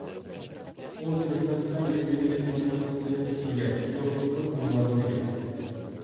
ئۇ تۈركمەنىستان يېزا ئىگىلىك ئۇنىۋېرسىتېتىنى پۈتتۈرگەن، دوكتورلۇق ئۇنۋانىغا ئىگە.